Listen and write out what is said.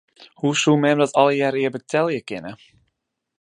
Hoe soe mem dat allegearre ea betelje kinne?